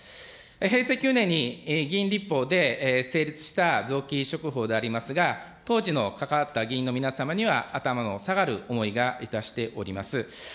平成９年に議員立法で成立した臓器移植法でありますが、当時の関わった議員の皆様には、頭の下がる思いがいたしております。